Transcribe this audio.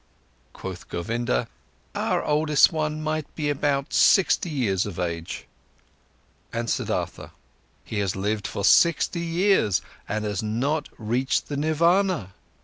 Quoth Govinda: "Our oldest one might be about sixty years of age." And Siddhartha: "He has lived for sixty years and has not reached the nirvana.